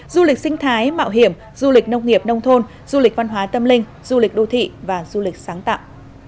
du lịch sinh thái mạo hiểm du lịch nông nghiệp nông thôn du lịch văn hóa tâm linh du lịch đô thị và du lịch sáng tạo